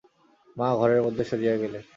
মা ঘরের মধ্যে সরিয়া গেলেন।